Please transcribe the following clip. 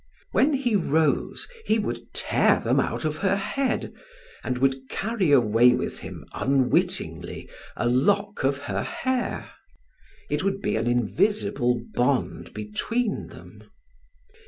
When he rose, he would tear them out of her head, and would carry away with him unwittingly a lock of her hair. It would be an invisible bond between them.